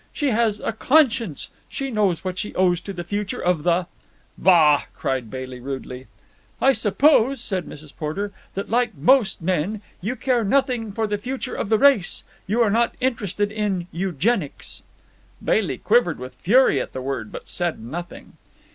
She has a conscience. She knows what she owes to the future of the——" "Bah!" cried Bailey rudely. "I suppose," said Mrs. Porter, "that, like most men, you care nothing for the future of the race? You are not interested in eugenics?" Bailey quivered with fury at the word, but said nothing.